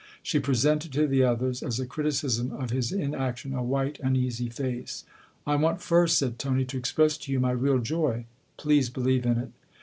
She presented to the others, as a criticism of his inaction, a white, uneasy face. " I want first," said Tony, " to express to you my real joy. Please believe in it."